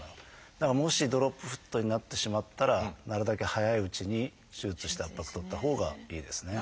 だからもしドロップフットになってしまったらなるだけ早いうちに手術して圧迫取ったほうがいいですね。